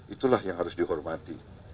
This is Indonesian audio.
itulah yang harus dihormati